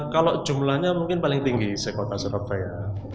kalau jumlahnya mungkin paling tinggi di kota surabaya